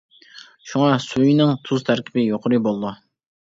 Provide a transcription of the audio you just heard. شۇڭا سۈيىنىڭ تۇز تەركىبى يۇقىرى بولىدۇ.